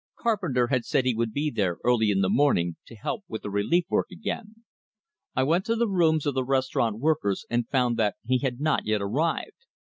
Carpenter had said he would be there early in the morning, to help with the relief work again. I went to the rooms of the Restaurant Workers, and found that he had not yet arrived.